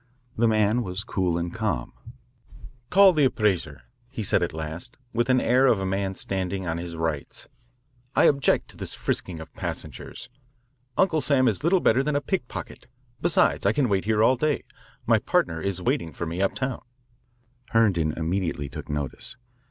The man was cool and calm. "Call the appraiser, he said at last, with the air of a man standing on his rights. "I object to this frisking of passengers. Uncle Sam is little better than a pickpocket. Besides, I cans I wait here all day. My partner is waiting for me uptown." Herndon immediately took notice.